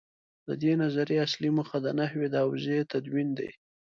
د دې نظریې اصلي موخه د نحوې د حوزې تدوین دی.